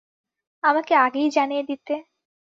আমাকে আগেই জানিয়ে দিতে।